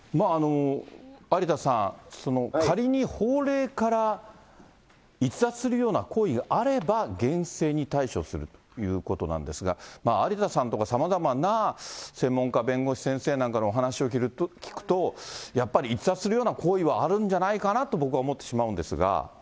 有田さん、仮に法令から逸脱するような行為があれば、厳正に対処するということなんですが、有田さんとか、さまざまな専門家、弁護士先生なんかの話を聞くと、やっぱり逸脱するような行為はあるんじゃないかなと、僕は思ってしまうんですが。